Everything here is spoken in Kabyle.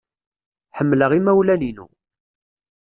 Ḥemmleɣ imawlen-innu.